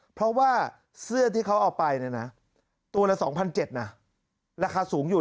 เพราะว่าเสื้อที่เขาเอาไปตัวละ๒๗๐๐บาทราคาสูงอยู่